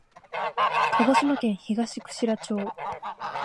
鹿児島県東串良町